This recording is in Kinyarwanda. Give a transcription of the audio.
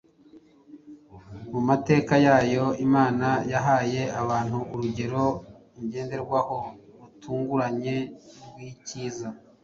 Mu mategeko yayo, Imana yahaye abantu urugero ngenderwaho rutunganye rw’icyiza.